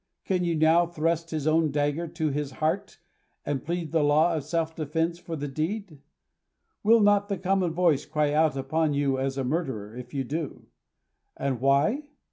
Can you now thrust his own dagger to his heart, and plead the law of self defense for the deed ? Will not the common voice cry out upon you as a murderer, if you do ? And why